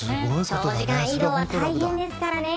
長時間移動は大変ですからね。